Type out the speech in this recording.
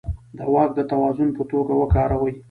د واک د توازن په توګه وکاروي.